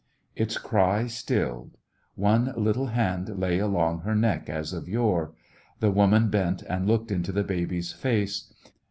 Its cry stilled. One little hand lay along her neck as of yore. The woman bent and looked into the baby's face.